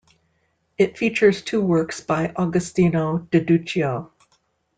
It features two works by Agostino di Duccio.